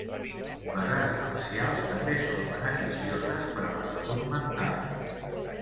Les arts marcials també són beneficioses per a la salut mental.